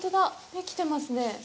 できてますね。